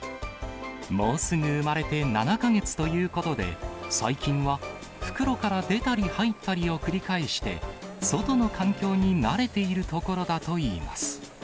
もうすぐ生まれて７か月ということで、最近は袋から出たり入ったりを繰り返して、外の環境に慣れているところだといいます。